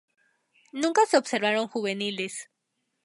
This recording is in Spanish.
Nunca se observaron juveniles.